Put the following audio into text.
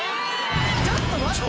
ちょっと待って！